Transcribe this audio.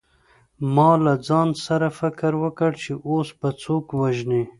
ما له ځان سره فکر وکړ چې اوس به څوک وژنې